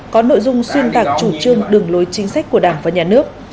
có nội dung xuyên tạc chủ trương đường lối chính sách của đảng và nhà nước